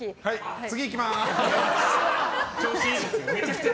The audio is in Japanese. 次行きます。